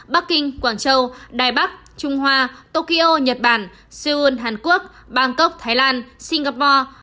bắc kinh quảng châu đài bắc trung hoa tokyo nhật bản seoul hàn quốc bangkok thái lan singapore